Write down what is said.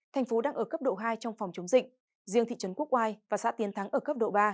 thành phố đang ở cấp độ hai trong phòng chống dịch riêng thị trấn quốc oai và xã tiến thắng ở cấp độ ba